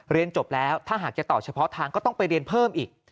เรียนจบแล้วถ้าหากจะตอบเฉพาะทางก็ต้องไปเรียนเพิ่มอีก